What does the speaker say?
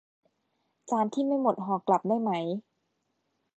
จานที่ไม่หมดห่อกลับได้ไหม